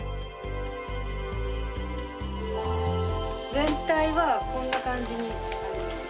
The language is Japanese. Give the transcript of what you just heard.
全体はこんな感じに。